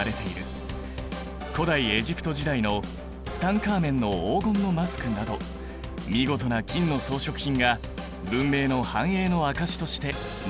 古代エジプト時代のツタンカーメンの黄金のマスクなど見事な金の装飾品が文明の繁栄の証しとして残されてきた。